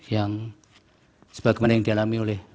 yang sebagaimana yang dialami oleh